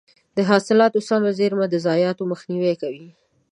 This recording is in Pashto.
د حاصلاتو سمه زېرمه د ضایعاتو مخنیوی کوي.